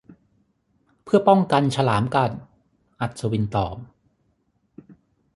'เพื่อป้องกันฉลามกัด' อัศวินตอบ